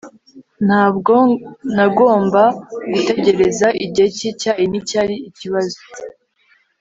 ntabwo nagomba gutegereza, igihe cyicyayi nticyari ikibazo